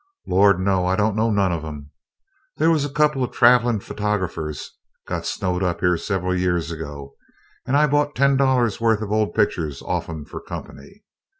"Lord, no! I don't know none of 'em. There was a couple of travelin' photygraphers got snowed up here several year ago and I bought ten dollars' worth of old pictures off 'em for company.